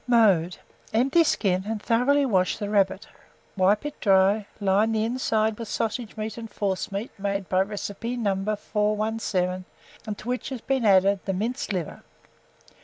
] Mode. Empty, skin, and thoroughly wash the rabbit; wipe it dry, line the inside with sausage meat and forcemeat made by recipe No. 417, and to which has been added the minced liver.